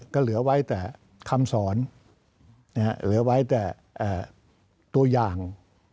ก็เหลือไว้แต่คำสอนเหลือไว้แต่ตัวอย่าง